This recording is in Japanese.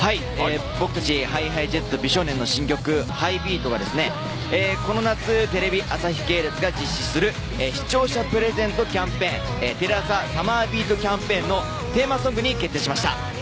僕たちＨｉＨｉＪｅｔｓと美少年の新曲「ＨｉｇｈＢｅａｔ」がこの夏テレビ朝日系列が実施する視聴者プレゼントキャンペーンテレ朝サマービートキャンペーンのテーマソングに決定しました。